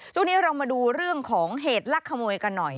ช่วงนี้เรามาดูเรื่องของเหตุลักขโมยกันหน่อย